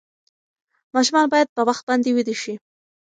ماشومان باید په وخت باندې ویده شي.